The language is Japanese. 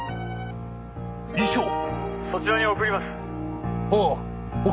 「そちらに送ります」